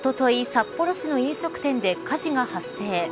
札幌市の飲食店で火事が発生。